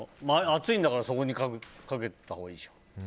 熱いんだからそこにかけたほうがいいじゃん。